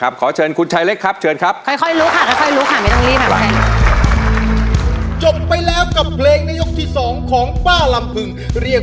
โปรดติดตามต่อไป